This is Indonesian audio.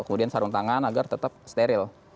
kemudian sarung tangan agar tetap steril